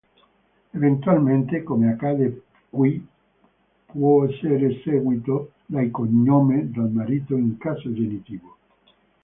Eventualmente, come accade qui, può essere seguito dal cognome del marito in caso genitivo.